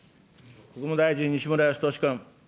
国務大臣、西村康稔君。